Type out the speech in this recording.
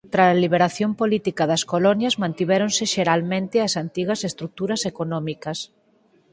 Trala liberación política das colonias mantivéronse xeralmente as antigas estruturas económicas.